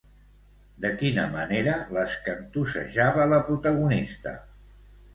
De quina manera les cantussejava la protagonista?